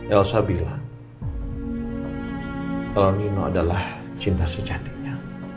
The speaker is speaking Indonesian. elsa bilang kalau nino adalah cinta sejatinya